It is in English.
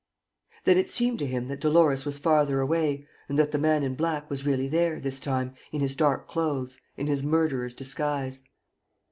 Then it seemed to him that Dolores was farther away and that the man in black was really there, this time, in his dark clothes, in his murderer's disguise.